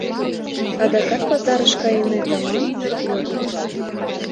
— Адакат пазарыш кайынет аман? — йодыт.